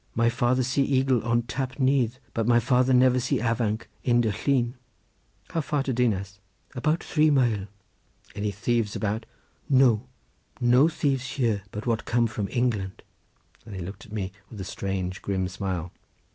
My father see eagle on Tap Nyth, but my father never see avanc in de llyn." "How far to Dinas?" "About three mile." "Any thieves about?" "No, no thieves here, but what come from England," and he looked at me with a strange, grim smile.